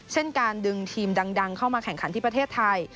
เช่นการดึงทีมดังเข้ามาแข่งขันที่ประเทศไทย